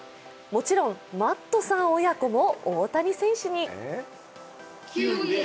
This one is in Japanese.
もちろんマットさん親子も大谷選手に。